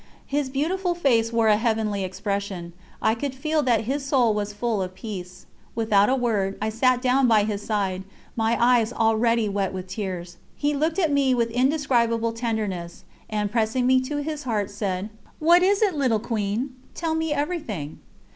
His beautiful face wore a heavenly expression I could feel that his soul was full of peace. Without a word, I sat down by his side, my eyes already wet with tears. He looked at me with indescribable tenderness, and, pressing me to his heart, said: "What is it, little Queen? Tell me everything."